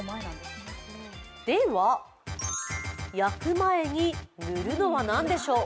では焼く前に塗るのは何でしょう。